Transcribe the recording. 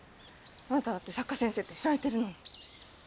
あなただって作家先生って知られてるのに。